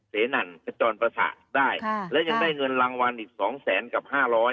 เสนั่นกระจ่อนประศะได้ค่ะแล้วยังได้เงินรางวัลอีกสองแสนกับห้าร้อย